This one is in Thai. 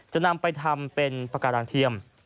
จะนำไปทำเป็นปากการังเทียม